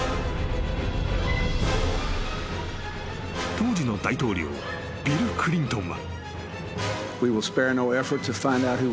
［当時の大統領ビル・クリントンは］